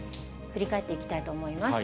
振り返っていきたいと思います。